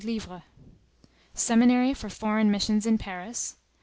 100 " Seminary for foreign missions in Paris